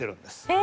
え！